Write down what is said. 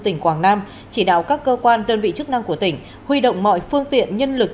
tỉnh quảng nam chỉ đạo các cơ quan đơn vị chức năng của tỉnh huy động mọi phương tiện nhân lực